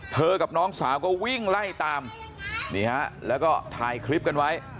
กับน้องสาวก็วิ่งไล่ตามนี่ฮะแล้วก็ถ่ายคลิปกันไว้